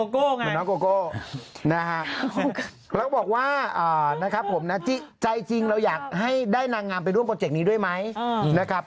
น้องโกโก้นะฮะแล้วก็บอกว่านะครับผมนะใจจริงเราอยากให้ได้นางงามไปร่วมโปรเจกต์นี้ด้วยไหมนะครับ